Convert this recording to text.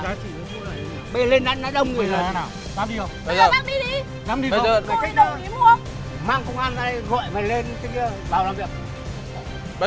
sao cắt đi rồi